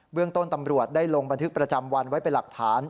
เรื่องต้นตำรวจได้ลงบันทึกประจำวันไว้เป็นหลักฐาน